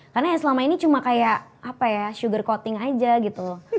karena ya selama ini cuma kayak apa ya sugar coating aja gitu